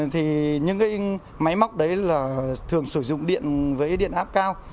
thì những cái máy móc đấy là thường sử dụng điện với điện áp cao